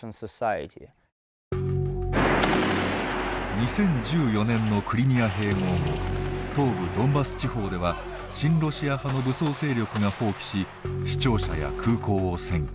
２０１４年のクリミア併合後東部ドンバス地方では親ロシア派の武装勢力が蜂起し市庁舎や空港を占拠。